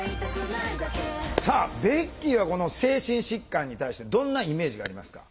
さあベッキーはこの精神疾患に対してどんなイメージがありますか？